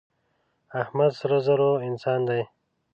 احمد سرزوره انسان دی.